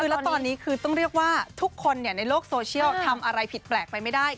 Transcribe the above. แล้วตอนนี้คือต้องเรียกว่าทุกคนในโลกโซเชียลทำอะไรผิดแปลกไปไม่ได้